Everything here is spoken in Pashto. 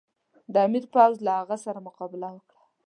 د امیر پوځ له هغه سره مقابله وکړه.